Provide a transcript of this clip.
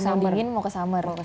mau ke dingin mau ke summer